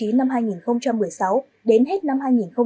năm hai nghìn một mươi sáu đến hết năm hai nghìn một mươi chín